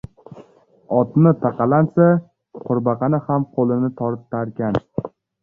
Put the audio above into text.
• Otni taqalansa, qurbaqa ham qo‘lini tortarkan.